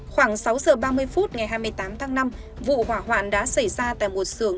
khoảng sáu giờ ba mươi phút ngày hai mươi tám tháng năm vụ hỏa hoạn đã xảy ra tại một xưởng